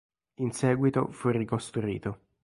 In seguito fu ricostruito.